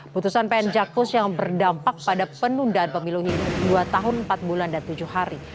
putusan pn jakus yang berdampak pada penundaan pemilu ini dua tahun empat bulan dan tujuh hari